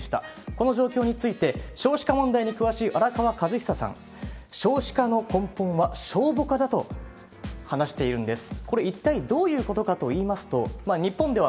この状況について、少子化問題に詳しい荒川和久さん、少子化の根本は少母化だと話しているんです。